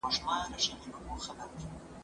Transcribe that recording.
خلاصول يې خپل ځانونه اولادونه